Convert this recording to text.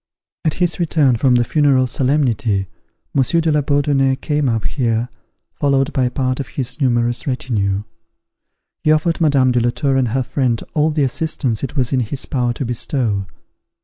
At his return from the funeral solemnity, Monsieur de la Bourdonnais came up here, followed by part of his numerous retinue. He offered Madame de la Tour and her friend all the assistance it was in his power to bestow.